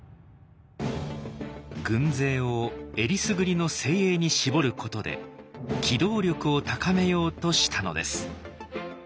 軍勢をえりすぐりの精鋭に絞ることで機動力を高めようとしたのです。